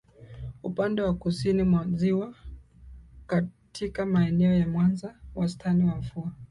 Upande wa kusini mwa ziwa katika maeneo ya Mwanza wastani wa mvua